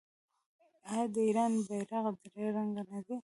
آیا د ایران بیرغ درې رنګه نه دی؟